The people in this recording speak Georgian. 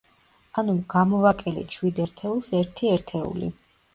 ანუ გამოვაკელით შვიდ ერთეულს ერთი ერთეული.